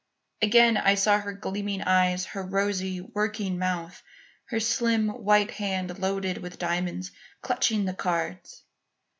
Again I saw her gleaming eyes, her rosy, working mouth, her slim, white hand, loaded with diamonds, clutching the cards.